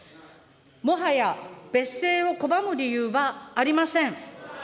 もはや、別姓を拒む理由はありません。